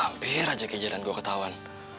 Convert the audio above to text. hampir aja kejadian gue ketahuan